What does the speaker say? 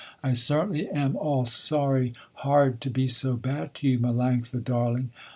I certainly am all sorry, hard, to be so bad to you, Melanctha, darling."